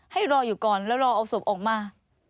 ให้รออยู่ก่อนแล้วรอเอาศพออกมา